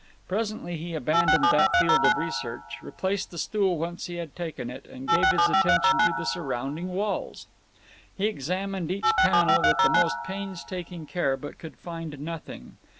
Presently he abandoned that field of research, replaced the stool whence he had taken it, and gave his attention to the surrounding walls. He examined each panel with the most painstaking care, but could find nothing.